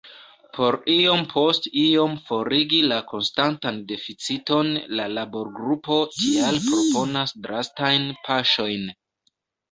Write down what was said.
Por iom post iom forigi la konstantan deficiton la laborgrupo tial proponas drastajn paŝojn.